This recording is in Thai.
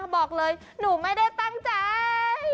บอกเลยหนูไม่ได้ตั้งใจ